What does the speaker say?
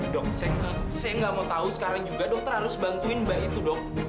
dok saya nggak mau tahu sekarang juga dokter harus bantuin mbak itu dok